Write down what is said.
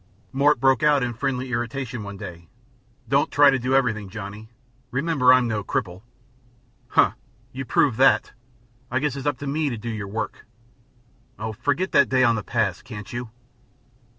Mort broke out in friendly irritation one day: "Don't try to do everything, Johnny. Remember I'm no cripple." "Humph! You proved that. I guess it's up to me to do your work." "Oh, forget that day on the pass, can't you?"